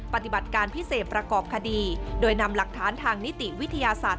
ปฏิบัติการพิเศษประกอบคดีโดยนำหลักฐานทางนิติวิทยาศาสตร์